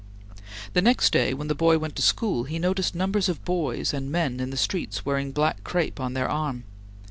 The next day, when the boy went to school, he noticed numbers of boys and men in the streets wearing black crepe on their arm.